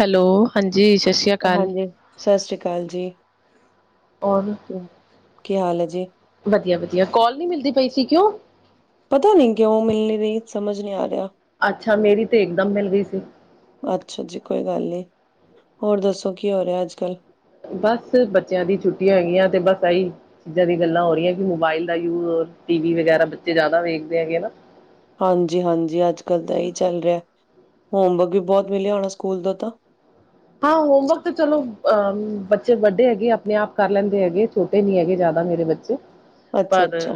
Hello. ਹਾਂਜੀ ਸਤਿ ਸ਼੍ਰੀ ਅਕਾਲ ਹਾਂਜੀ, ਸਤਿ ਸ੍ਰੀ ਅਕਾਲ ਜੀ। ਔਰ ਕੀ ਕੀ ਹਾਲ ਹੈ ਜੀ ਵਧੀਆ-ਵਧੀਆ, ਕੋਾਲ ਨੀ ਮਿਲਦੀ ਪਈ ਸੀ ਕਿਉਂ? ਪਤਾ ਨਹੀਂ ਕਿਉਂ ਮਿਲ ਨਹੀਂ ਰਹੀ, ਸਮਝ ਨਹੀਂ ਆ ਰਿਹਾ। ਅੱਛਾ, ਮੇਰੀ ਤੇ ਇਕ ਦਮ ਮਿਲ ਗਈ ਸੀ। ਅੱਛਾ ਜੀ, ਕੋਈ ਗੱਲ ਨੀ। ਹੋਰ ਦੱਸੋ, ਕੀ ਹੋ ਰਿਹਾ ਅੱਜ ਕੱਲ? ਬਸ ਬੱਚਿਆਂ ਦੀ ਛੁੱਟੀਆਂ ਹੈਗੀਆਂ ਤੇ ਬਸ ਇਹੀ ਚੀਜ਼ਾਂ ਦੀ ਗੱਲਾਂ ਹੋ ਰਹੀਆਂ ਕਿ ਮੋਬਾਇਲ ਦਾ ਯੂਜ, ਟੀ ਵੀ ਵਗੈਰਾ ਬੱਚੇ ਜ਼ਿਆਦਾ ਵੇਖਦੇ ਹੈਗੇ ਨਾ। ਹਾਂਜੀ-ਹਾਂਜੀ, ਅੱਜ ਕੱਲ੍ਹ ਤਾਂ ਇਹੀ ਚੱਲ ਰਿਹਾ। ਹੋਮਵਰਕ ਵੀ ਬਹੁਤ ਮਿਲਿਆ ਹੋਣਾ ਸਕੂਲ ਦਾ ਤਾਂ? ਹਾਂ ਹੋਮਵਰਕ ਤਾਂ ਚਲੋ ਅਹ ਬੱਚੇ ਵੱਡੇ ਹੈਗੇ ਆਪਣੇ ਆਪ ਕਰ ਲੈਂਦੇ ਹੈਗੇ, ਛੋਟੇ ਨਹੀਂ ਹੈਗੇ ਜ਼ਿਆਦਾ ਮੇਰੇ ਬੱਚੇ। ਪਰ ਅੱਛਾ-ਅੱਛਾ।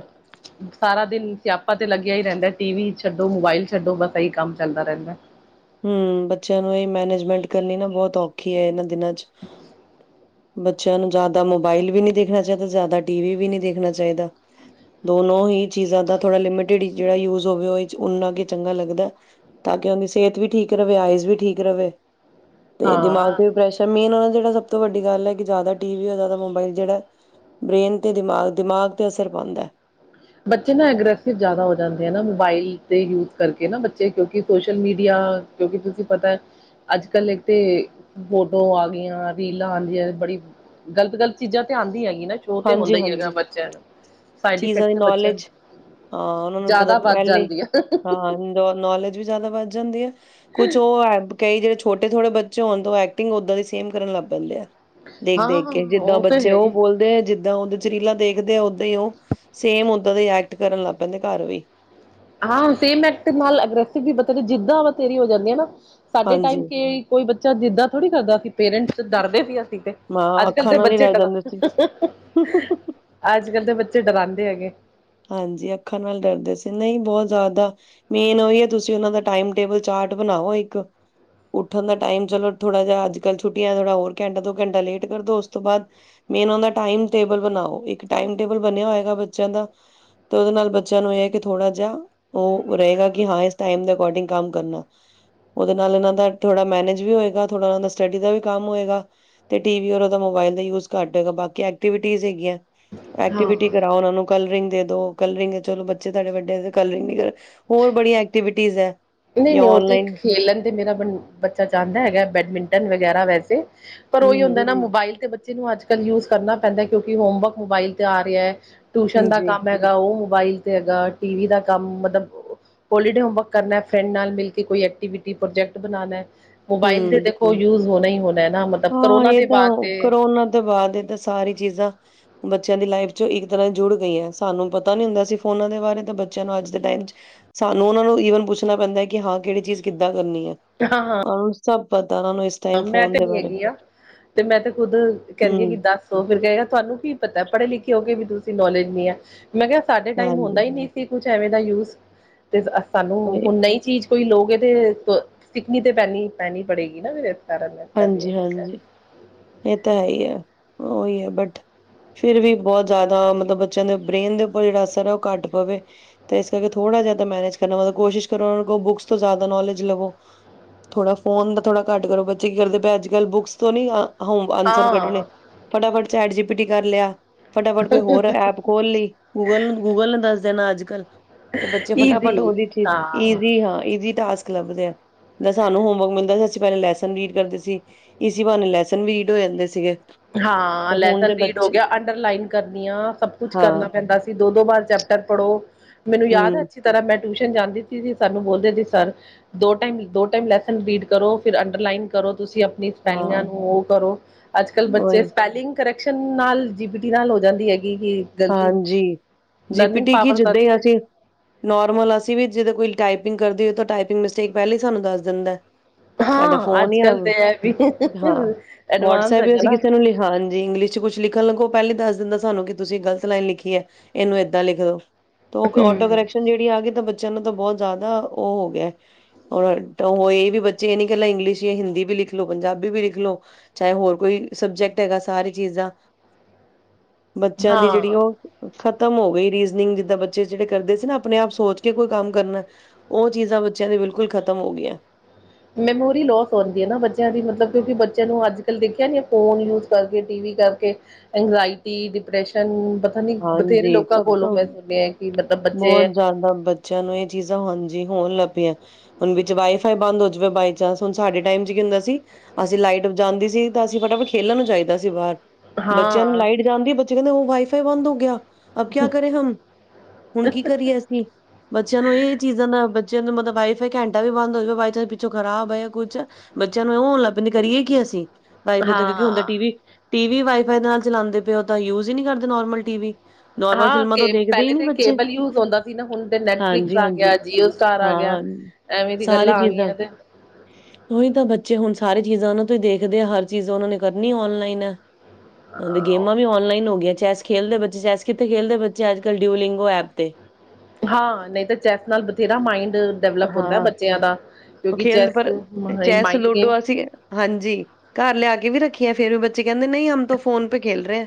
ਸਾਰਾ ਦਿਨ ਸਿਆਪਾ ਤੇ ਲੱਗਿਆ ਹੀ ਰਹਿੰਦਾ, ਟੀ ਵੀ ਛੱਡੋ, ਮੋਬਾਇਲ ਛੱਡੋ। ਬਸ ਏਹੀ ਕੰਮ ਚੱਲਦਾ ਰਹਿੰਦਾ। ਹੂੰ, ਬੱਚਿਆਂ ਨੂੰ ਇਹੀ ਮੈਨੇਜਮੈਂਟ ਕਰਨੀ ਨਾ ਬਹੁਤ ਔਖੀ ਹੈ ਇਹਨਾਂ ਦਿਨਾਂ ਚ। ਬੱਚਿਆਂ ਨੂੰ ਜ਼ਿਆਦਾ ਮੋਬਾਇਲ ਵੀ ਨੀ ਦੇਖਣਾ ਚਾਹੀਦਾ, ਜ਼ਿਆਦਾ ਟੀ ਵੀ ਵੀ ਨੀ ਦੇਖਣਾ ਚਾਹੀਦਾ। ਦੋਨੋ ਹੀ ਚੀਜ਼ਾਂ ਦਾ ਥੋੜਾ ਲਿਮਿਟਡ ਜਿਹੜਾ ਯੂਜ ਹੋਵੇ ਉਹ ਉਨਾ ਕੁ ਚੰਗਾ ਲੱਗਦਾ। ਤਾਂ ਕਿ ਉਹਦੀ ਸਿਹਤ ਵੀ ਠੀਕ ਰਵੇ, ਆਈਜ਼ ਵੀ ਠੀਕ ਰਵੇ ਤੇ ਦਿਮਾਗ ਹਾਂ ਤੇ ਵੀ ਪ੍ਰੈਸ਼ਰ, ਮੇਨ ਓਹ ਜਿਹੜਾ ਸਭ ਤੋਂ ਵੱਡੀ ਗੱਲ ਏ ਕਿ ਜਿਆਦਾ ਟੀ ਵੀ, ਜ਼ਿਆਦਾ ਮੋਬਾਇਲ ਜਿਹੜਾ ਬ੍ਰੇਨ ਤੇ ਦਿਮਾਗ, ਦਿਮਾਗ ਤੇ ਅਸਰ ਪਾਉਂਦੈ। ਬੱਚੇ ਨਾ ਅਗ੍ਰੇਸਿਵ ਜਿਆਦਾ ਹੋ ਜਾਂਦੇ ਹੈ ਨਾ, ਮੋਬਾਇਲ ਦੇ ਯੂਜ ਕਰਕੇ ਨਾ ਬੱਚੇ। ਕਿਉਂਕਿ ਸੋਸ਼ਲ ਮੀਡੀਆ ਕਿਉਂਕਿ ਤੁਸੀਂ ਪਤਾ, ਅੱਜ ਕੱਲ ਇੱਕ ਤੇ ਫੋਟੋ ਆ ਗਈਆਂ, ਰੀਲਾਂ ਆਂਦੀਆਂ, ਬੜੀ ਗ਼ਲਤ-ਗਲਤ ਚੀਜ਼ਾਂ ਤੇ ਆਉਂਦੀ ਹੈਗੀ ਇ ਨਾ ਸ਼ੋ ਤੇ ਹਾਂਜੀ ਹੁੰਦਾ ਹੀ ਹੈਗਾ ਹਾਂਜੀ ਬੱਚਿਆਂ ਨੂੰ, ਸਾਈਡ ਚੀਜ਼ਾਂ ਇਫੈਕਟ ਦੀ ਬੱਚੇ ਨੌਲੇਜ, ਹਾਂ ਓਨਾਂ ਨੂੰ ਪਤਾ ਜ਼ਿਆਦਾ ਵੱਧ ਪਹਿਲੇ, ਜਾਂਦੀ ਆ ਹਾਂ ਨੌਲੇਜ। ਵੀ ਜ਼ਿਆਦਾ ਵੱਧ ਜਾਂਦੇ ਆ। ਕੁਛ ਉਹ ਹੈਲਪ ਕਈ ਜੇਟ ਛੋਟੇ ਥੋੜੇ ਬੱਚੇ ਹੋਣ ਤੋਂ ਐਕਿੰਗ ਓਦਾਂ ਦੀ ਸੇਮ ਕਰਨ ਲੱਗ ਪੈਂਦੇ ਆ। ਹਾਂ ਦੇਖ-ਦੇਖ ਹਾਂ ਕੇ ਜਿੱਦਾਂ ਤੇ ਬੱਚੇ ਹੈ ਉਹ ਹੀ ਬੋਲਦੇ ਹੈ। ਜਦਾਂ ਚ ਰੀਲਾਂ ਦੇਖਦੇ ਆ ਓਦਾਂ ਹੀ ਉਹ--ਸੇਮ ਉਓਦਾਂ ਦੇ ਐਕਟ ਕਰਨ ਲੱਗ ਪੈਂਦੇ ਘਰ ਵੀ ਹਾਂ ਸੇਮ ਐਕਟ ਨਾਲ ਅਗਰੈਸਿਵ ਵੀ ਜਿੱਦਾਂ ਵ ਤੇਰੀ ਹੋ ਜਾਂਦੀ ਹੈ ਨਾ ਸਾਡੇ ਹਾਂਜੀ ਟਾਈਮ ਕੇ ਕੋਈ ਚ ਜਿੱਦਾਂ ਥੋੜੀ ਕਰਦਾ ਸੀ ਪੇਰੈਂਟ ਚ ਡਰਦੇ ਸੀ। ਹਾਂ ਅੱਜ, ਕੱਲ ਅੱਖਾਂ ਦੇ ਨਾਲ ਹੀ ਬੱਚੇ ਰਹਿ ਡਰਾ ਜਾਂਦੇ ਸੀ ਅੱਜ, ਕੱਲ ਦੇ ਬੱਚੇ ਡਰਾਦੇ ਹੈਗੇ। ਹਾਂਜੀ ਅੱਖਾਂ ਨਾਲ ਡਰਦੇ ਸੀ ਨਹੀਂ ਬਹੁਤ ਜ਼ਿਆਦਾ ਮੇਨ ਉਹੀ ਹੈ ਤੁਸੀਂ ਉਹਨਾਂ ਦਾ ਟਾਈਮ ਟੇਬਲ ਚਾਰਟ ਬਣਾਓੋ ਇੱਕ ਉੱਠਣ ਦਾ ਟਾਈਮ ਚਲੋ ਥੋੜਾ ਜਿਹਾ ਅੱਜ ਕੱਲ ਛੁੱਟੀਆਂ ਥੋੜਾ ਹੋਰ ਘੰਟਾ ਦੋ ਘੰਟਾ ਲੇਟ ਕਰ ਦੋ ਉਸ ਤੋਂ ਬਾਅਦ ਮੇਨ ਉਹ ਦਾ ਟਾਈਮ ਟੇਬਲ ਬਣਾਓ ਇੱਕ ਟਾਈਮ ਟੇਬਲ ਬਣਿਆ ਹੋਏਗਾ ਬੱਚਿਆਂ ਦਾ। ਤੇ ਦੇ ਨਾਲ ਬੱਚਿਆਂ ਨੂੰ ਇਹ ਕੇ ਥੋੜਾ ਜ ਉਹ ਰਹੇ ਕਿ ਹਾਂ ਇਸ ਟਮ ਅਕੋਡਿੰਗ ਕੰਮ ਕਰਨਾ -ਓਦੇ ਨਾਲਨਾਂ ਦਾ ਥੋਾ ਮੈਨੇਜ ਵੀ ਹੋ ਗ ਸਟਡੀ ਦਾ ਵੀ ਕੰਮ ਹੋਗਾ ਟੀ ਮੋਬਲ ਦਾ ਯੂਜ ਘਟ ਹੋਗਾ ਬਾਕੀ ਐਕਟੀਵਿਟੀ ਹਾ ਗਿਆ। ਹਾਂ ਐਕਟੀਵਿਟੀ ਕਰਾ ਉਹਨਾਂ ਨੂੰ ਕੱਲ ਦੇ ਦੋ ਕਲਰਿੰਗ ਹੈ। ਚਲੋ ਬੱਚੇ ਤੁਹਾਡੇ ਵੱਡੇ ਕਲਿੰਗ ਨ ਕਰੇ ਹੋਰ ਬੜੀਆਂ ਐਕਟੀਵਿਟੀਜ਼ ਹੈ। ਨਹੀਂ, ਜਾਂ ਨਹੀਂ ਉਹ ਤੇ ਔਨਲਾਈਨ ਖੇਲਣ ਤੇ ਮੇਰਾ ਬੱਚਾ ਚਾਹੁੰਦਾ ਹੈਗਾ ਬੈਡਮਿੰਟਨ ਵ ਗਿਆਰਾਂ ਵੈਸੇ। ਪਰ ਉਹੀ ਹੂੰ, ਹੁੰਦਾ ਨਾ ਮੋਬਾਇਲ ਤੇ ਬੱਚੇ ਬੱਚੇ ਨੂੰ ਅੱਜ, ਕੱਲ੍ਹ ਯੂਜ ਕਰਨਾ ਪੈਂਦਾ ਹੈ। ਕਿਉਂਕਿ ਹੋਮਵਰਕ ਮੋਬਾਈਲ ਤੇ ਆ ਰਿਹਾ ਹੈ। ਟਿਊਸ਼ਨ ਹੂੰ ਦਾ ਜੀ, ਕੰਮ ਹੈਗਾ ਉਹ ਮੋਬਾਈਲ ਤੇ ਹੈਗਾ। ਟੀ ਵੀ ਦਾ ਕੰਮ ਮਤਲਬ ਪੋਲੀ ਡੇ ਹੋਮਵਰਕ ਕਰਨਾ। ਫਰੈਂਡ ਨਾਲ ਮਿਲ ਕੇ ਕੋਈ ਐਕਟੀਵਿਟੀ ਪ੍ਰੋਜੈਕਟ ਬਣਾਉਣਾ। ਮੋਬਾਈਲ ਤੇ ਹੂੰ ਦੇਖੋ ਯੂਜ ਹੋ ਨਹੀਂ ਹੀ ਹੋ। ਹਾਂ ਇਹ ਤਾਂ ਕਰੋਨਾ ਤੋਂ ਬਾਅਦ ਇਹ ਤਾਂ ਸਾਰੀ ਚੀਜ਼ਾਂ ਬੱਚਿਆਂ ਦੀ ਲਾਈਫ ਚ ਇੱਕ ਤਰ੍ਹਾਂ ਜੁੜ ਗਈ ਹੈ। ਸਾਨੂੰ ਪਤਾ ਨੀ ਹੁੰਦਾ ਸੀ ਫੋਨਾਂ ਦੇ ਬਾਰੇ ਤਾਂ ਬੱਚਿਆਂ ਨੂੰ ਅੱਜ ਦੇ ਟਾਈਮ ਚ ਸਾਨੂੰ ਉਹਨਾਂ ਨੂੰ ਵਨ ਪੁੱਛਣਾ ਪੈਂਦਾ ਹੈ ਕਿ ਹਾਂ ਕਿਹੜੀ ਚੀਜ਼ ਕਿੱਦਾਂ ਕਰਨੀ ਹੈ ਹਾਂ ਹ ਹਾਂ ਹੁਣ ਸਭ ਤਾਰਾਂ ਨੂੰ ਇਸ ਟਾਈਮ ਮੈਂ ਫੋਨ ਤੇ ਦੇ ਨੀ ਬਾਰੇ। ਹੈਗੀ ਤੇ ਮੈਂ ਤੇ ਖੁੱਦ ਕਹਿੰਦੀ ਹਾਂ ਕਿ ਹੂੰ, ਦੱਸੋ ਫਿਰ ਕਹੇਗਾ ਤੁਹਾਨੂੰ ਕੀ ਪਤਾ ਪੜ੍ਹੇ ਲਿਖੇ ਹੋ ਕੇ ਵੀ ਤੁਸੀਂ। ਦੀ ਨੌਲੇਜ ਨਹੀਂ ਹੈ। ਮੈਂ ਕਿਹਾ ਸਾਡੇ ਟਾਈਮ ਹੁੰਦਾ ਹਾਂਜੀ, ਹੀ ਨਹੀਂ ਸੀ। ਕੁਛ ਐਵੇ ਦਾ ਯੂਸ ਤੇ ਸਾਨੂੰ ਹੁਣ ਨਹੀਂ ਚੀਜ਼। ਕੋਈ ਲੋ ਇਹ ਤੇ ਸਿਕਨੀ ਤੇ ਪਹਿ ਪੈਣੀ ਪੜੇਗੀ ਨਾ ਫ ਕਰਨ ਕਦੇ ਹਾਂਜੀ, ਇਹਿਕ ਹਾਂਜੀ ਇਹ ਤਾਂ ਹੈ ਹੀ ਹੈ ਉਹੀ ਹੈ ਬਟ ਫਿਰ ਵੀ ਬਹੁਤ ਜ਼ਿਆਦਾ ਮਤਲਬ ਬੱਚਿਆਂ ਦੇ ਬ੍ਰੇਨ ਦੇ ਉਪਰ ਜਿਹੜਾ ਅਸਰ ਹੈ ਉਹ ਘੱਟ ਪਵੇ ਤੇ ਇਸ ਕਰਕੇ ਥੋੜਾ ਜਿਆਦਾ ਮੈਨੇਜ ਕਰਨਾ ਕੋਸ਼ਿਸ਼ ਕਰੋ ਬੁੱਕਸ ਤੋਂ ਜ਼ਿਆਦਾ ਨਲੇਜ ਲਵੋ ਥੋੜਾ ਫੋਨ ਥੋੜਾ ਘੱਟ ਕਰੋ ਬੱਚੇ ਕੀ ਕਰਦੇ ਅੱਜ ਕੱਲ ਬੁੱਕਸ ਤੋਂ ਨੀ ਹ ਆਂਸਰ ਕੱਢਣੇ ਹਾਂ ਚੈਟ ਜ ਪਿਟੀ ਕਰ ਲਿਆ। ਫਟਾਫਟ ਕੋਈ ਹੋਰ ਐਪ ਖੋਲ ਲਈ--ਗੂਗਲ ਨੂੰ ਗੂਗਲ ਨੂੰ ਦੱਸ ਦੇਣਾ ਅੱਜ ਕੱਲ੍ਹ। ਤੇ ਬੱਚੇ ਫਟਾਫਟ ਈਜ਼ੀ ਓਦੀ ਚੀ ਹਾਂ ਈਜ਼ੀ ਹਾਂ ਈਜ਼ੀ ਟਾਸਕ ਲਭਦੇ ਆਂ ਜ ਸਾਨੂੰ ਹੋਮਵਰਕ ਮਿਲਦਾ ਸੀ ਅਸੀ ਪੈਲੇ ਲੈਸਨ ਰੀਡ ਕਰਦੇ ਸੀ ਇਸੀ ਬਾਨੇ ਲੈਸਨ ਰੀਡ ਹੋ ਜਾਂਦੇ ਸੀਗੇ। ਹਾਂ ਤੇ ਹੁਣ ਦੇ ਲੈਸਨ ਰੀਡ ਹੋ ਬੱਚੇ ਗਿਆ ਅੰਡਰਲਾਈਨ ਕਰਨੀਆਂ ਸਭ ਕੁਛ ਹਾਂ ਕਰਨਾ ਪੈਂਦਾ ਸੀ ਦੋ ਦੋ ਵਾਰ ਚੈਪਟਰ ਪੜ੍ਹੋ। ਮੈਨੂੰ ਯਾਦ ਹਮ ਹੈ ਅੱਛੀ ਤਰ੍ਹਾਂ ਮੈਂ ਟਿਊਸ਼ਨ ਜਾਂਦੀ ਸੀ ਸੀ ਸਾਨੂੰ ਬੋਲਦੇ ਸੀ ਸਰ ਦੋ ਟਾਈਮ ਦੋ ਟਾਈਮ ਲੈਸਨ ਰੀਡ ਕਰੋ ਫਿਰ ਅੰਡਰਲਾਈਨ ਕਰੋ। ਤੁਸੀ ਅਪਣੀ ਸਪੈਲਿੰਗਾਂ ਹਾਂ, ਨੂੰ ਓਹ ਕਰੋ ਅੱਜ ਬੱਚੇ ਉਹੀ ਸਪੈਲਿੰਗ ਕਰੈਕਸ਼ਨ ਨਾਲ ਜੀ ਪੀ ਟੀ ਨਾਲ ਹੋ ਜਾਂਦੀ ਹੈ ਹਾਂਜੀ ਜੀ ਪੀ ਲਰਨਿੰਗ ਟੀ ਕੀ ਪਾਵਰ ਤਾਂ ਜਿੱਦਾਂ ਉਹਦੀ ਹੀ ਤੇ ਅਸੀਂ ਨੋਰਮਲ ਅਸੀ ਵੀ ਜਿਦਾ ਕੋਈ ਟਾਈਪਿੰਗ ਕਰਦੇ ਔ ਤਾਂ ਟਾਈਪਿੰਗ ਮਿਸਟੇਕ ਪਹਲੇ ਈ ਸਾਨੂੰ ਦੱਸ ਦਿੰਦਾ ਐ। ਸਾਡਾ ਹਾਂ ਫੋਨ ਅੱਜ ਹੀ ਆ ਕੱਲ ਤੇ ਇਹ ਵੀ ਹਾਂ ਐਡਵਾਂਸ ਵਟਸਐਪ ਵੀ ਹੈਗਾ ਅਸੀ ਨਾ ਕਿਸੇ ਨੂੰ ਲਿਖਾਂ ਹਾਂਜੀ ਇੰਗਲਿਸ਼ ਚ ਕੁਛ ਲਿਖਣ ਲਗੋ ਪਹਲੇ ਦਸ ਦਿੰਦਾ ਸਾਨੂੰ ਕਿ ਤੁਸੀ ਗਲਤ ਲਾਈਨ ਲਿਖੀ ਹੈ ਏਨੂੰ ਏਦਾਂ ਲਿਖ ਦੋ। ਤੋ ਓ ਓਟੋ ਹਮ ਕਰੈਕਸ਼ਨ ਜਿਹੜੀ ਆਗੀ ਤਾਂ ਬੱਚਿਆ ਨੂੰ ਤਾਂ ਬੋਤ ਜ਼ਿਆਦਾ ਓਹ ਹੋ ਗਆ ਹੈ। ਔਰ ਹੋ ਇਹ ਵੀ ਬੱਚੇ ਇਹ ਨੀ ਕਲਾ ਇੰਗਲਿਸ਼ ਈ ਏ ਹਿੰਦੀ ਵੀ ਲਿਖ ਲੋ ਪੰਜਾਬੀ ਵੀ ਲਿਖ ਲੋ ਚਾਹੇ ਹੋਰ ਕੋਈ ਸਬਜੈਕਟ ਹੈਗਾ ਸਾਰੀ ਚੀਜ਼ਾਂ ਬੱਚਿਆਂ ਦੀ ਜੇੜੀ ਹਾਂ ਓ ਖ਼ਤਮ ਹੋ ਗਈ ਰੀਜ਼ਨਿੰਗ ਜਿੱਦਾਂ ਬੱਚੇ ਜਿਹੜੇ ਕਰਦੇ ਸੀ ਨਾ ਆਪਣੇ ਆਪ ਸੋਚ ਕੇ ਕੋਈ ਕੰਮ ਕਰਨਾ ਉਹ ਚੀਜ਼ਾਂ ਬੱਚਿਆਂ ਦੇ ਬਿਲਕੁਲ ਖਤਮ ਹੋ ਗਈਆਂ। ਮੈਮੋਰੀ ਲੋਸ ਹੋਂਦੀ ਏ ਨਾ ਬੱਚੇਆਂ ਦੀ ਮਤਲਬ ਕਿਉਂਕਿ ਬੱਚੇਆਂ ਨੂੰ ਅੱਜ ਕੱਲ੍ਹ ਦੇਖਿਆ ਨੀ ਫੋਨ ਯੂਜ ਕਰਕੇ ਟੀ ਵੀ ਕਰਕੇ ਇੰਗਜ਼ਾਇਟੀ ਡਿਪ੍ਰੈਸ਼ਨ ਪਤਾ ਨੀ ਬਥੇਰੇ ਲੋਕਾਂ ਕੋਲੋਂ ਮੈਂ ਸੁਣਿਆ ਐ ਕਿ ਬੱਚੇ ਬੋਤ ਜਾਦਾ ਬੱਚਿਆਂ ਨੂੰ ਏਹ ਚੀਜ਼ਾਂ ਹਾਂਜੀ ਹੋਣ ਲੱਗ ਪੇਆ। ਹੁਣ ਵਿੱਚ ਵਾਈ ਫਾਈ ਬੰਦ ਹੋ ਜਵੇ ਬਾਈ ਚਾਂਸ ਹੁਣ ਸਾਡੇ ਟਾਈਮ ਚ ਕੀ ਹੁੰਦਾ ਸੀ ਅਸੀ ਲਾਈਟ ਜਾਂਦੀ ਸੀ ਤਾਂ ਅਸੀ ਫਟਾਫਟ ਖੇਲਣ ਨੂੰ ਜਾਈ ਦਾ ਸੀ ਬਾਹਰ। ਬੱਚਿਆਂ ਨੂੰ ਹਾਂ ਲਾਈਟ ਜਾਂਦੀ ਬੱਚੇ ਕਹਂਦੇ ਓਹ ਵਾਈ ਫਾਈ ਬੰਦ ਹੋ ਗਆ। ਅਬ ਕਆ ਕਰੇ ਹਮ। ਹੁਣ ਕੀ ਕਰੀਏ ਅਸੀ ਬੱਚਿਆਂ ਨੂੰ ਏਹ ਚੀਜ਼ਾਂ ਦਾਂ ਬੱਚਿਆਂ ਨੂੰ ਮਤਲਬ ਵਾਈ ਫਾਈ ਘੈਂਟਾ ਵੀ ਬੰਦ ਹੋ ਜੇ ਬਾਈ ਚਾਂਸ ਪਿੱਛੋਂ ਖਰਾਬ ਹੈ ਯਾ ਕੁਛ ਬੱਚਿਆਂ ਨੂੰ ਔ ਹੋਣ ਲੱਗ ਪੈਂਦੀ ਕਰੀਏ ਕੀ ਅਸੀ। ਵਾਈ ਫਾਈ ਤੋਂ ਕਉਂਕਿ ਹੁਣ ਤੇ ਹਾਂ T V T V wifi ਦੇ ਨਾਲ ਚਲਾਂਦੇ ਪਏ ਹੋ ਤਾਂ ਯੂਜ ਹੀ ਨੀ ਕਰਦੇ ਨੋਰਮਲ ਟੀ ਵੀ। ਨੋਰਮਲ ਹਾਂ ਫਿਲਮਾਂ ਤੋਂ ਕੇ ਦੇਖਦੇ ਹੀ ਪਹਿਲੇ ਨੀ ਤੇ ਬੱਚੇ ਕੇਬਲ ਯੂਜ ਹੁੰਦਾ ਸੀ ਨਾ ਹੁਣ ਤੇ ਨੈਟਫਲਿਕਸ ਹਾਂਜੀ ਆ ਹਾਂਜੀ ਗਆ ਜੀਓ ਸਟਾਰ ਆ ਗਆ ਹਾਂ ਐਵੇਂ ਦੀ ਗੱਲਾਂ ਸਾਰੀ ਆ ਚੀਜ਼ਾਂ ਗਈਆਂ ਤੇ ਸਾਰੇ ਚੀਜ਼ਾਂ ਨੂੰ ਤੇ ਦੇਖਦੇ ਆ, ਹਰ ਚੀਜ਼ ਉਹਨਾਂ ਨੇ ਕਰਨੀ ਔਨਲਾਈਨ ਏ। ਹੁਣ ਤੇ ਗੇਮਾਂ ਵੀ ਔਨਲਾਈਨ ਹੋ ਗਈਆਂ, ਚੈਸ ਖੇਡਦੇ ਬੱਚੇ ਚੈਸ ਕਿੱਥੇ ਖੇਲਦੇ ਬੱਚੇ, ਅੱਜ ਕੱਲ ਡਿਊਲਿੰਗ ਉਹ ਐਪ ਤੇ ਹਾਂ, ਨਹੀਂ ਤਾਂ ਚੈਸ ਨਾਲ ਬਥੇਰਾ ਮਾਈੰਡ ਹਾਂ, ਉਹ ਕਿਉਂਕਿ ਖੇਲਦੇ ਚੈਸ ਪਰ ਚੈਸ, ਮਾਇੰਡ ਗੇਮ ਲੂਡੋ, ਅਸੀਂ ਹਾਂਜੀ, ਘਰ ਲਿਆ ਕੇ ਵੀ ਰੱਖੀ ਫੇਰ ਵੀ ਬੱਚੇ ਕਹਿੰਦੇ, ਨਹੀਂ ਹਮ ਤੋ ਫੋਨ ਪੇ ਖੇਲ ਰਹੇ।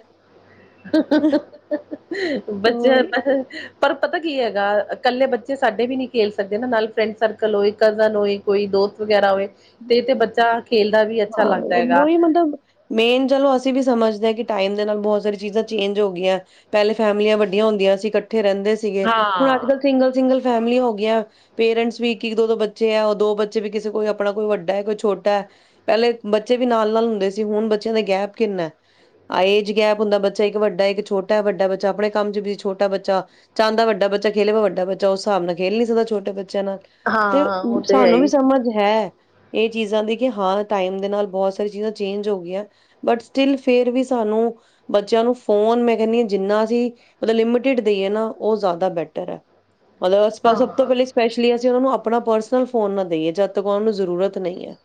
ਬੱਚਿਆ ਤਾਂ ਪਰ ਪਤਾ ਕੀ ਹੈਗਾ, ਇਕੱਲੇ ਬੱਚੇ ਸਾਡੇ ਵੀ ਨਹੀਂ ਖੇਲ ਸਕਦੇ ਨਾ, ਨਾਲੇ ਫਰੈਂਡ ਸਰਕਲ ਹੋਏ, ਕਜ਼ਨ ਹੋਏ, ਕੋਈ ਦੋਸਤ ਵਗੈਰਾ ਹੋਏ। ਤੇ ਤੇ ਬੱਚਾ ਖੇਲਦਾ ਵੀ ਅੱਛਾ ਲੱਗਦਾ ਹਾਂ, ਹੈਗਾ ਉਹੀ ਮਤਲਬ ਮੇਨ ਚਲੋ ਅਸੀਂ ਵੀ ਸਮਝਦੇ ਹਾਂ ਕਿ ਟਾਈਮ ਦੇ ਨਾਲ ਬਹੁਤ ਸਾਰੀ ਚੀਜ਼ਾਂ ਚੇਂਜ ਹੋ ਗਈਆਂ, ਪਹਿਲੇ ਫੈਮਿਲੀਆਂ ਵੱਡੀਆਂ ਹੁੰਦੀਆਂ ਸੀ ਇਕੱਠੇ ਰਹਿੰਦੇ ਸੀਗੇ, ਹੁਣ ਅੱਜ ਹਾਂ ਕੱਲ੍ਹ ਸਿੰਗਲ ਸਿੰਗਲ ਫੈਮਲੀਆਂ ਹੋ ਗਈਆਂ, ਪੇਰੈਂਟਸ ਵੀ ਇੱਕ ਇੱਕ ਦੋ ਦੋ ਬੱਚੇ ਆ, ਦੋ ਬੱਚੇ ਵੀ ਕਿਸੇ ਕੋਲ ਆਪਣਾ ਕੋਈ ਵੱਡਾ ਐ, ਕੋਈ ਛੋਟਾ ਐ, ਪਹਿਲੇ ਬੱਚੇ ਵੀ ਨਾਲ ਨਾਲ ਹੁੰਦੇ ਸੀ, ਹੁਣ ਬੱਚਿਆਂ ਦਾ ਗੈਪ ਕਿੰਨਾ, ਏਜ ਗੈਪ ਹੁੰਦਾ ਬੱਚਾ ਇੱਕ ਵੱਡਾ ਹੈ, ਇੱਕ ਛੋਟਾ ਹੈ, ਵੱਡਾ ਬੱਚਾ ਆਪਣੇ ਕੰਮ ਚ ਬਿਜੀ, ਛੋਟਾ ਬੱਚਾ ਚਾਹੁੰਦਾ ਵਡਾ ਬੱਚਾ ਖੇਲੇ, ਵੱਡਾ ਬੱਚਾ ਉਸ ਹਿਸਾਬ ਨਾਲ ਖੇਲ ਨੀ ਸਕਦਾ ਛੋਟਾ ਬੱਚਾ ਬੱਚਿਆਂ ਨਾਲ ਤੇ ਹਾਂ ਉਹ ਤੇ ਹੈ ਸਾਨੂੰ ਵੀ ਹੀ ਸਮਝ ਹੈ। ਇਹ ਚੀਜ਼ਾਂ ਦੀ ਕਿ ਹਾਂ ਟਾਈਮ ਦੇ ਨਾਲ ਬਹੁਤ ਸਾਰੀ ਚੀਜ਼ਾਂ ਚੇਂਜ ਹੋ ਗਈਆਂ, ਬਟ ਸਟਿੱਲ ਫੇਰ ਵੀ ਸਾਨੂੰ ਬੱਚਿਆਂ ਨੂੰ ਫੋਨ ਮੈਂ ਕਹਿੰਦੀ ਹਾਂ, ਜਿੰਨਾ ਅਸੀਂ ਮਤਲਬ ਲਿਮਟਡ ਦੇਈਏ ਨਾ ਉਹ ਜ਼ਿਆਦਾ ਬੈਟਰ ਐ। ਮਤਲਬ ਸਭ ਤੋਂ ਹਾਂ ਪਹਿਲੇ ਸਪੈਸ਼ਲੀ ਅਸੀਂ ਉਹ ਨੂੰ ਆਪਣਾ ਪਰਸਨਲ ਫੋਨ ਨਾ ਦੇਈਏ, ਜਦ ਤੱਕ ਉਹਨਾਂ ਨੂੰ ਜ਼ਰੂਰਤ ਨਹੀਂ ਹੈ।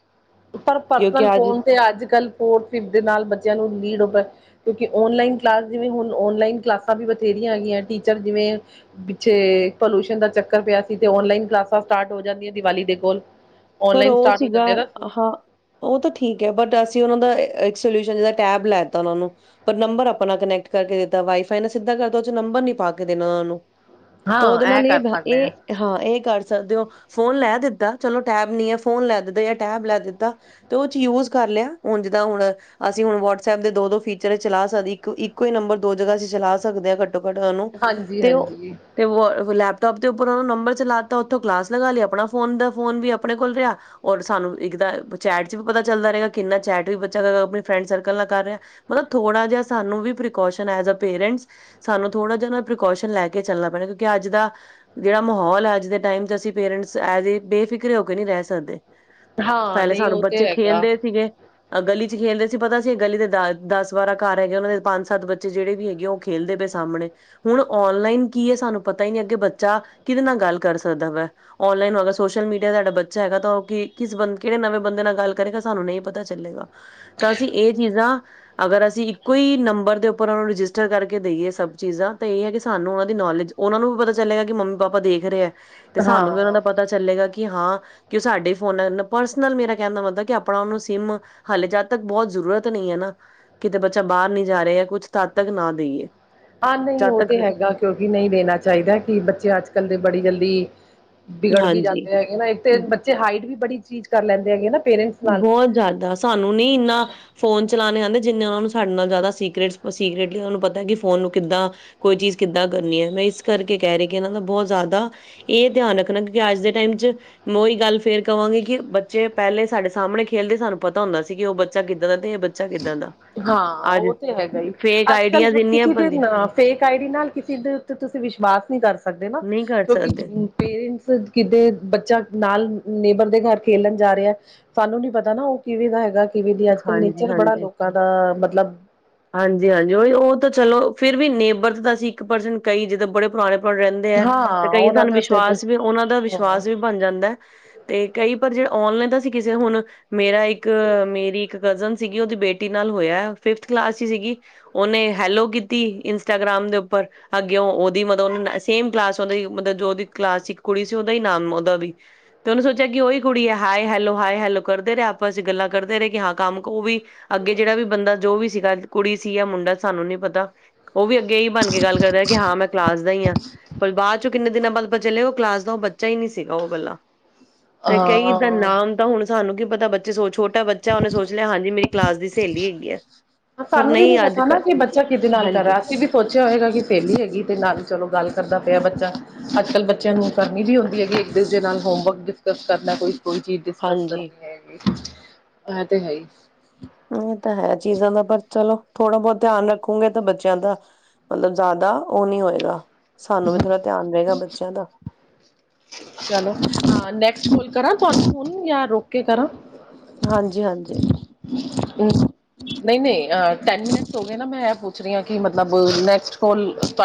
ਪਰ ਕਿਉਂਕਿ ਪਰਸਨਲ ਅੱਜ ਫੋਨ ਤੇ ਅੱਜ ਕੱਲ ਫੋਰਥ, ਫਿਫਥ ਦੇ ਨਾਲ ਬੱਚਿਆਂ ਨੂੰ ਲੀਡ ਹੋ ਕਿਉਂਕਿ ਔਨਲਾਈਨ ਕਲਾਸ, ਜਿਵੇ ਹੁਣ ਔਨਲਾਈਨ ਕਲਾਸਾਂ ਬਥੇਰੀਆਂ ਹੈਗੀਆ ਟੀਚਰ, ਜਿਵੇ ਪਿੱਛੇ ਪੋਲ਼ੋਸ਼ਨ ਦਾ ਚੱਕਰ ਪਿਆ ਸੀ ਤੇ ਔਨਲਾਈਨ ਕਲਾਸਾਂ ਸਟਾਰਟ ਹੋ ਜਾਂਦੀਆਂ ਦਿਵਾਲੀ ਦੇ ਕੋਲ ਪਰ ਔਨਲਾਈਨ ਉਹ ਸਟਾਰਟ ਹੋ ਸੀਗਾ, ਜਾਂਦੇ ਨਾ ਹਾਂ। ਉਹ ਤਾਂ ਠੀਕ, ਹੈ ਬਟ ਅਸੀਂ ਉਹਨਾਂ ਦਾ ਇਕ ਸਲਿਊਸ਼ਨ ਜਾਂ ਟੈਬ ਲੈਤਾ ਉਹਨਾਂ ਨੂੰ, ਪਰ ਨੰਬਰ ਆਪਣਾ ਕਨੈਕਟ ਕਰਕੇ ਦਿੱਤਾ, ਵਾਈਫਾਈ ਨੇ ਸਿੱਧਾ ਕਰਤਾ ਨੰਬਰ ਨੀ ਪਾ ਕੇ ਦੇਣਾ ਉਹਨਾਂ ਨੂੰ। ਤਾਂ ਹਾਂ ਉਹਦੇ ਨਾਲ ਇਹ ਕਰ ਸਕਦੇ ਆ ਇਹ ਹਾਂ, ਇਹ ਕਰ ਸਕਦੇ ਹੋ, ਫੋਨ ਲੈ ਦਿੱਤਾ ਚਲੋ ਟੈਬ ਨੀ ਹੈ, ਫੋਨ ਲੈ ਦਿੱਤਾ, ਜਾਂ ਟੈਬ ਲੈ ਦਿੱਤਾ ਤੇ ਉਹਦੇ ਚ ਯੂਜ ਕਰ ਲਿਆ, ਹੁਣ ਜਿੱਦਾਂ ਹੁਣ ਅਸੀਂ ਹੁਣ ਵਟਸਐਪ ਦੇ ਦੋ ਦੋ ਫੀਚਰ ਚਲਾ ਸਕਦੇ, ਇੱਕ ਇੱਕੋ ਹੀ ਨੰਬਰ ਦੋ ਜਗ੍ਹਾ ਅਸੀਂ ਚਲਾ ਸਕਦੇ ਹਾਂ ਨੂੰ ਹਾਂਜੀ ਤੇ ਉਹ ਹਾਂਜੀ ਲੈ ਲੈਪਟੋਪ ਦੇ ਉੱਪਰ ਉਹਨਾਂ ਨੂੰ ਨੰਬਰ ਚਲਾ ਦਿੱਤਾ, ਉੱਥੋਂ ਕਲਾਸ ਲਗਾ ਲਈ ਆਪਣਾ ਫੋਨ ਦਾ ਫੋਨ ਵੀ ਆਪਣੇ ਕੋਲ ਰਿਹਾ ਔਰ ਸਾਨੂੰ ਇੱਕ ਚੈਟ ਚ ਵੀ ਪਤਾ ਚੱਲਦਾ ਰਹੇਗਾ, ਕਿੰਨਾ ਚੈਟ ਵੀ ਬੱਚਾ ਆਪਣੀ ਫਰੈਂਡ ਸਰਕਲ ਨਾਲ ਕਰ ਰਿਹਾ, ਮਤਲਬ ਥੋੜਾ ਜਿਹਾ ਸਾਨੂੰ ਵੀ ਪ੍ਰੀਕੋਸਨ ਐਸ ਅ ਪੇਰੈਂਟਸ ਸਾਨੂੰ ਥੋੜਾ ਜਿਹਾ ਪ੍ਰੀਕੋਸ਼ਨ ਲੈ ਕੇ ਚੱਲਣਾ ਪੈਣਾ ਕਿਉਂਕਿ ਅੱਜ ਦਾ ਜਿਹੜਾ ਮਾਹੌਲ ਹੈ, ਅੱਜ ਦੇ ਟਾਈਮ ਚ ਅਸੀਂ ਪੇਰੈਂਟਸ ਐਜ ਏ ਪੇ ਰੇ ਹੋ ਕੇ ਨਹੀਂ ਰਹਿ ਸਕਦੇ। ਹਾਂ ਪਹਿਲੇ ਨਹੀਂ ਸਾਨੂੰ ਉਹ ਤੇ ਬੱਚੇ ਹੈਗਾ ਖੇਲਦੇ ਸੀਗੇ ਅਹ ਗਲੀ ਚ ਖੇਲਦੇ ਸੀ, ਪਤਾ ਸੀ ਗਲੀ ਦੇ ਦ ਦਸ ਬਾਰਾਂ ਘਰ ਹੈਗੇ, ਉਹਨਾਂ ਦੇ ਪੰਜ ਸੱਤ ਬੱਚੇ ਜਿਹੜੇ ਵੀ ਹੈਗੇ ਉਹ ਖੇਲਦੇ ਪਏ ਸਾਹਮਣੇ, ਹੁਣ ਔਨਲਾਈਨ ਕੀ ਹੈ ਸਾਨੂੰ ਪਤਾ ਹੀ ਨੀ ਅੱਗੇ ਬੱਚਾ ਕਿਹਦੇ ਨਾਲ ਗੱਲ ਕਰ ਸਕਦਾ ਵਾ, ਔਨਲਾਈਨ ਅਗਰ ਸੋਸ਼ਲ ਮੀਡੀਆ ਸਾਡਾ ਬੱਚਾ ਹੈਗਾ ਤਾਂ ਉਹ ਕਿਸ ਬੰਦ ਕਿਹੜੇ ਨਵੇਂ ਬੰਦੇ ਨਾਲ ਗੱਲ ਕਰੇਗਾ ਸਾਨੂੰ ਨਹੀਂ ਪਤਾ ਚੱਲੇਗਾ, ਤਾਂ ਅਸੀਂ ਇਹ ਚੀਜ਼ਾਂ ਅਗਰ ਅਸੀਂ ਇੱਕੋ ਹੀ ਨੰਬਰ ਦੇ ਉੱਪਰ ਉਹਨਾਂ ਨੂੰ ਰਜਿਸਟਰ ਕਰਕੇ ਦੇਈਏ ਸਭ ਚੀਜ਼ਾਂ, ਤਾਂ ਇਹ ਹੈ ਕਿ ਸਾਨੂੰ ਉਹਨਾਂ ਦੀ ਨੌਲੇਜ ਉਹਨਾਂ ਨੂੰ ਵੀ ਪਤਾ ਚੱਲੇਗਾ ਕਿ ਮੰਮੀ ਪਾਪਾ ਦੇਖ ਰਹੇ ਆ। ਤੇ ਸਾਨੂੰ ਹਾਂ ਵੀ ਉਹਨਾਂ ਦਾ ਪਤਾ ਚੱਲੇਗਾ ਕਿ ਕਿ ਹਾਂ ਕਿ ਉਹ ਸਾਡੇ ਫੋਨਾਂ ਪਰਸਨਲ ਮੇਰਾ ਕਹਿਣ ਦਾ ਮਤਲਬ ਕਿ ਆਪਣਾ ਉਹਨੂੰ ਸਿਮ ਹਾਲੇ ਜਦ ਤੱਕ ਬਹੁਤ ਜ਼ਰੂਰਤ ਨਹੀ ਆ ਨਾ, ਕਿਤੇ ਬੱਚਾ ਬਾਹਰ ਨੀ ਜਾ ਰਿਹਾ, ਕੁਛ ਤਦ ਤੱਕ ਨਾ ਦੇਈਏ। ਹਾਂ ਨਹੀਂ ਜਦ ਉਹ ਤੱਕ ਤੇ ਹੈਗਾ, ਕਿਉਂਕਿ ਨਹੀਂ ਦੇਣਾ ਚਾਹੀਦਾ ਕਿ ਬੱਚੇ ਅੱਜ ਕੱਲ੍ਹ ਦੇ ਬੜੀ ਜਲਦੀ ਵੀ ਬਿਗੜ ਵੀ ਹਾਂਜੀ ਜਾਤੇ ਹੈਗੇ ਨਾ ਇੱਕ ਤੇ ਬੱਚੇ ਹਾਈਟ ਵੀ ਬੜੀ ਚੀਜ਼ ਕਰ ਲੈਂਦੇ ਹੈਗੇ ਨਾ। ਪੇਰੈਂਟਸ ਨਾਲ ਬਹੁਤ ਜਿਆਦਾ ਸਾਨੂੰ ਨੀ ਇੰਨਾ ਫੋਨ ਚਲਾਨੇ ਆਨੇ ਜਿੰਨੇ ਉਹਨਾਂ ਨੂੰ ਸਾਡੇ ਨਾਲ ਜ਼ਿਆਦਾ ਸੀਕਰੇਟ ਸੀਕਰੇਟਲੀ ਉਹ ਨੂੰ ਪਤਾ ਕਿ ਫੋਨ ਨੂੰ ਕਿੱਦਾਂ ਕੋਈ ਚੀਜ਼ ਕਿੱਦਾਂ ਕਰਨੀ ਹੈ ਮੈਂ ਇਸ ਕਰਕੇ ਕਹਿ ਰਹੀ ਕਿ ਇਹਨਾਂ ਦਾ ਬਹੁਤ ਜ਼ਿਆਦਾ ਇਹ ਧਿਆਨ ਰੱਖਣਾ ਕਿਉਂਕਿ ਅੱਜ ਦੇ ਟਾਈਮ ਚ ਮੈਂ ਉਹੀ ਗੱਲ ਫੇਰ ਕਹਾਂਗੀ ਕਿ ਬੱਚੇ ਪਹਿਲੇ ਸਾਡੇ ਸਾਹਮਣੇ ਖੇਲਦੇ ਸਾਨੂੰ ਪਤਾ ਹੁੰਦਾ ਸੀ ਕਿ ਉਹ ਬੱਚਾ ਕਿੱਦਾਂ ਦਾ ਤੇ ਇਹ ਬੱਚਾ ਕਿੱਦਾਂ ਦਾ ਹਾਂ ਅੱਜ ਓ ਤੇ ਹੈਗਾ ਹੀ, ਫੇਕ ਅੱਜ ਕੱਲ ਆਈਡੀਆਜ਼ ਇੰਨੀਆਂ ਕਿਸੇ ਦੇ ਬਣਦੀਆਂ ਫੇਕ ਆਈ ਡੀ ਨਾਲ ਕਿਸੇ ਦੇ ਉੱਤੇ ਤੁਸੀਂ ਵਿਸ਼ਵਾਸ ਨਹੀਂ ਕਰ ਸਕ ਸਕਦੇ ਨਾ ਨਹੀਂ ਕਰ ਕਿਉਂਕਿ ਸਕਦੇ ਪੇਰੈਂਟਸ ਕਿਤੇ ਬੱਚਾ ਨਾਲ ਨੇਬਰ ਦੇ ਘਰ ਖੇਲਣ ਜਾ ਰਿਹਾ ਸਾਨੂੰ ਨੀ ਪਤਾ ਨਾ ਉਹ ਕਿਵੇਂ ਦਾ ਹੈਗਾ ਦੀ ਆਜ-ਕਲ ਰ ਬੜਾ ਹਾਂਜੀ-ਹਾਂਜੀ ਲੋਕਾਂ ਦਾ ਮਤਲਬ ਹਾਂਜੀ-ਹਾਂਜੀ ਓਹੀ, ਓਹ ਤਾਂ ਚਲੋ ਫਿਰ ਵੀ ਨੇਬਰ ਤੇ ਤਾਂ ਅਸੀਂ ਇੱਕ ਪਰਸਨ ਕਹੀ ਜਿੱਦਾਂ ਬੜੇ ਪੁਰਾਣੇ ਰਹਿੰਦੇ ਹੈ ਤੇ ਹਾਂ ਕਈ ਉਹਨਾਂ ਸਾਨੂੰ ਦੇ ਉੱਤੇ ਤੇ ਵਿਸ਼ਵਾਸ ਵੀ ਉਹਨਾਂ ਦਾ ਹਮ ਵਿਸ਼ਵਾਸ ਵੀ ਬਣ ਜਾਂਦੈ ਤੇ ਕਈ ਪਰ ਜਿਹੜਾ ਔਨਲਾਈਨ ਤਾਂ ਸੀ ਕਿਸੇ ਹੁਣ ਮੇਰਾ ਇੱਕ ਮੇਰੀ ਇੱਕ ਕਜ਼ਨ ਸੀਗੀ ਉਹਦੀ ਬੇਟੀ ਨਾਲ ਹੋਇਆ ਫਿਫਥ ਕਲਾਸ 'ਚ ਸੀਗੀ ਓਹਨੇ ਹੈਲੋ ਕੀਤੀ, ਇੰਸਟਾਗ੍ਰਾਮ ਦੇ ਉੱਪਰ ਅੱਗੇ ਉਹ ਉਹਦੀ ਮਤਲਬ ਉਹ ਸੇਮ ਕਲਾਸ ਉਹ ਮਤ ਜੋ ਉਹਦੀ ਕਲਾਸ 'ਚ ਕੁੜੀ ਸੀ ਦਾ ਹੀ ਨਾਮਓਦਾ ਵੀ ਤੇ ਉਹਨੇ ਸੋਚਿਆ ਕਿ ਹੀ ਕੁੜੀ ਹੈ, ਹਾਏ-ਹੈਲੋ, ਹਾਏ-ਹੈਲੋ ਕਰਦੇ ਰਹੇ ਆਪਾਂ ਅ ਗੱਲਾਂ ਕਰਦੇ ਰਹੇ ਕਿ ਹਾਂ ਕੰਮੋ ਵੀ ਅੱਗੇ ਜਿਹੜਾ ਵੀ ਬੰਦਾ ਜੋ ਵੀ ਸੀ ਗ ਕੁੜੀ ਸੀ ਜਾਂ ਮੁੰਡਾ ਸਾਨੂੰ ਨੀ ਪਤਾ ਓਹ ਵੀ ਅੱਗੇ ਇ ਹੀ ਬਣ ਕੇ ਗੱਲ ਕਰ ਰਿ ਕਿ ਹਾਂ ਮੈਂ ਕਲਾਸ ਦਾ ਹੀ ਹਾਂ ਪਰ ਬਾਅਦ ਚੋਂ ਕਿੰਨੇ ਦਿਨਾਂ ਬਾਅਦ ਚੱਲਿਆ ਉਹ ਕਲਾਸ ਦਾ ਓਹ ਬੱਚਾ ਹੀ ਨੀ ਸੀਗਾ, ਓਹ ਵੱਲਲਾ ਤੇ ਕਈਾਂ ਹਾਂ ਨਾਮ ਤਾਂ ਹੁਣ ਸਾਨੂੰ ਕੀ ਪਤਾ ਬੱਚੇ ਸੋ ਛੋਟਾ ਬੱਚਾ ਉਹਨੇ ਸੋਚ ਲਿਆ ਹਾਂਜੀ ਮੇਰੀ ਕਲਾਸ ਦੀ ਸਹੇਲੀ ਹੈਗੀ ਹੈ। ਪਰ ਸਾਨੂੰ ਵੀ ਨੀ ਨਹੀਂ ਅੱਜ ਪਤਾ ਨਾ ਕੱਲ ਕਿ ਬੱਚਾ ਕਿਹਦੇ ਨਾਲ ਹਾਂਜੀ ਕਰਹਾ ਅਸੀਂ ਵੀ ਸੋਚਿਆ ਹੋਏਗਾ ਕਿ ਸਲੀ ਹੈਗੀ ਤੇ ਨਾਲ ਹੀ ਚਲੋ ਗੱਲ ਕਰਦਾ ਮੇਰਾ ਬੱਚਾ, ਅੱਜ-ਕੱਲ ਬੱਚਿਆਂ ਨੂੰ ਕਰਨੀ ਵੀ ਹੁੰਂਦੀ ਹੈ ਕਿ ਇੱਕ-ਦੂਜੇ ਨਾਲ ਹੋਮਵਰਕ ਡਿਸਕਸ ਕਰਦਾ ਕੋਈ ਕੋਈ ਚੀਜ਼ ਡਿਸਕਸ ਹਾਂਜੀ ਕਰਨੀ ਹੈਏਗੀ ਅ ਤੇ ਹੈ ਹੀ ਇਹ ਤਾਂ ਹੈ ਚੀਜ਼ਾਂ ਦਾ ਪਰ ਚਲੋ ਥੋੜ੍ਹਾ-ਬਹੁਤ ਧਿਆਨ ਰੱਖੂਗੇ ਤਾਂ ਬੱਚਿਆਂ ਦਾ ਮਤਲਬ ਜ਼ਿਆਦਾ ਓਹ ਨਹੀਂ ਹੋਏਗਾ ਸਾਨੂੰ ਵੀ ਥੋੜਾ ਧਿਆਨ ਰਹੇਗਾ ਬੱਚਿਆਂ ਦਾ ਚਲੋ, ਹਾਂ ਨੈਕਸਟ ਕਰਾਂ ਤੁਹਾਨੂੰ ਫਨ, ਯ ਰੋਕ ਕੇ ਕਰਾਂ? ਹਾਂਜੀ ਹਾਂਜੀ ਨਹੀਂ-ਨਹੀਂ, ਅਹ ਟੈਨ ਮਿੰਟਸ ਹੋ ਗਏ ਨਾ ਮੈਂ ਇਹ ਪੁੱਛ ਰਹੀ ਹਾਂ ਕਿ ਮਤਲਬ ਨੈਕਸਟ ਕੋਲ ਤੁਹਾਡੇ